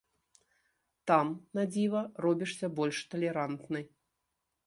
Там, на дзіва, робішся больш талерантны.